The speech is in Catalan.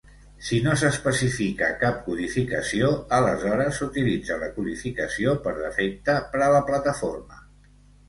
Si no s'especifica cap codificació, aleshores s'utilitza la codificació per defecte per a la plataforma.